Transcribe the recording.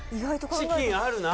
チキンあるな。